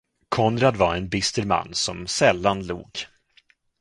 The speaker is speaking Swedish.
Konrad var en bister man som sällan log.